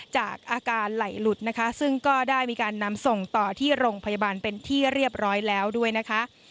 จากอาการไหลหลุดนะคะซึ่งก็ได้มีการนำส่งต่อที่โรงพยาบาลเป็นที่เรียบร้อยแล้วด้วยนะคะ